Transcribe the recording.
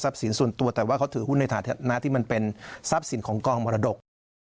สินส่วนตัวแต่ว่าเขาถือหุ้นในฐานะที่มันเป็นทรัพย์สินของกองมรดก